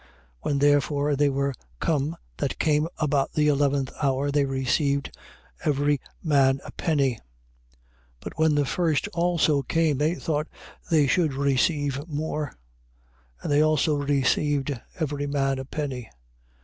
20:9. When therefore they were come that came about the eleventh hour, they received every man a penny. 20:10. But when the first also came, they thought that they should receive more: And they also received every man a penny.